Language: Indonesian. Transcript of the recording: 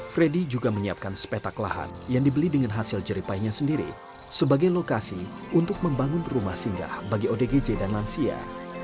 freddy juga menyiapkan sepetak lahan yang dibeli dengan hasil jeripainya sendiri sebagai lokasi untuk membangun rumah singgah bagi odgj dan lansia